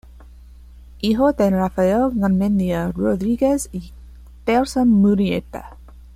Hijo de Rafael Garmendia Rodríguez y Celsa Murrieta.